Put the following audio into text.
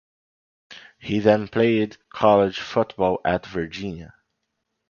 He then played college football at Virginia.